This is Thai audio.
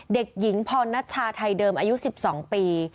เด็กหญิงพรณัชชาไทยเดิมอายุ๑๒ปี